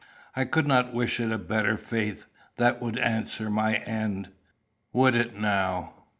"I could not wish it a better fate. That would answer my end." "Would it, now?